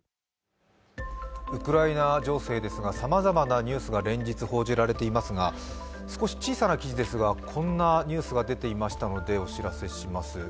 ウクライナ情勢ですが、さまざまなニュースが連日報じられていますが少し小さな記事ですが、こんなニュースが出ていましたのでお知らせします。